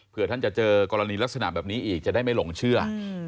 เพื่อท่านจะเจอกรณีลักษณะแบบนี้อีกจะได้ไม่หลงเชื่อ